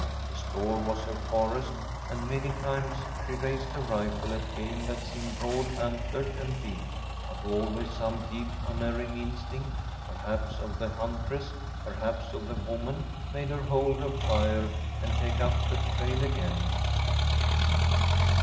The store was her forest; and many times she raised her rifle at game that seemed broad antlered and big; but always some deep unerring instinct‚ÄĒperhaps of the huntress, perhaps of the woman‚ÄĒmade her hold her fire and take up the trail again.